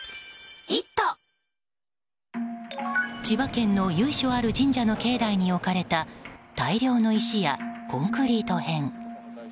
千葉県の由緒ある神社の境内に置かれた大量の石やコンクリート片。